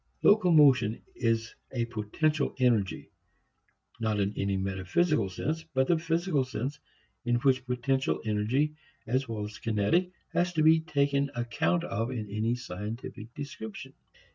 Locomotion is a potential energy, not in any metaphysical sense, but in the physical sense in which potential energy as well as kinetic has to be taken account of in any scientific description.